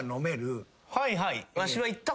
はいはい。